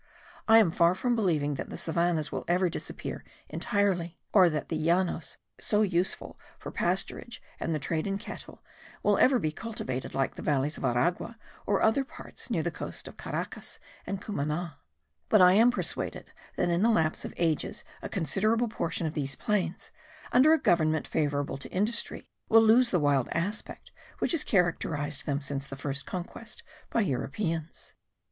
I am far from believing that the savannahs will ever disappear entirely; or that the Llanos, so useful for pasturage and the trade in cattle, will ever be cultivated like the valleys of Aragua or other parts near the coast of Caracas and Cumana: but I am persuaded that in the lapse of ages a considerable portion of these plains, under a government favourable to industry, will lose the wild aspect which has characterized them since the first conquest by Europeans.